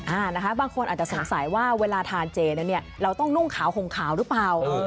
อ่านะคะบางคนอาจจะสงสัยว่าเวลาทานเจแล้วเนี่ยเราต้องนุ่งขาวห่มขาวหรือเปล่า